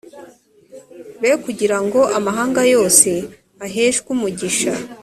be kugira ngo amahanga yose aheshwe umugisha